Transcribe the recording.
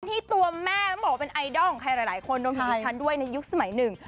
ที่ตัวแม่บอกว่าเป็นไอดอลของใครหลายคนโดนมิวชันด้วยในยุคสมัยหนึ่ง